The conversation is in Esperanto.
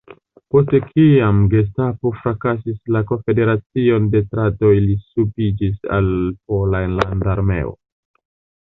Post kiam gestapo frakasis la Konfederacion de Tatroj li subiĝis al Pola Enlanda Armeo.